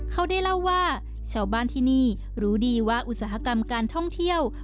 เขาได้เล่าว่าชาวบ้านที่นี่รู้ดีว่าอุตสาหกรรมการท่องเที่ยว